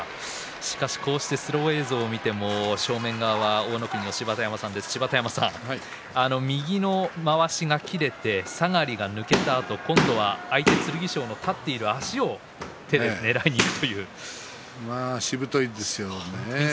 スロー映像を見ても正面側は大乃国の芝田山さんですが右のまわしが切れて下がりが抜けたあと今度は相手剣翔の立っている足を打ってしぶといんですよね。